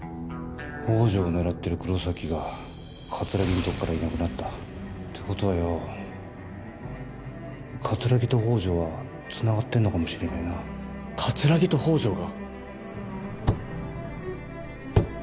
宝条を狙ってる黒崎が桂木のとこからいなくなったってことはよ桂木と宝条はつながってんのかもしれねえな桂木と宝条が？